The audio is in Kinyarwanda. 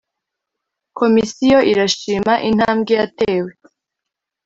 komisiyo irashima intambwe yatewe